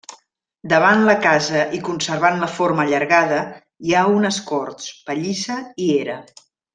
Davant la casa i conservant la forma allargada hi ha unes corts, pallissa i era.